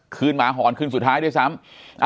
คืนหมาหอนสูดท้ายด้วยซ้ำ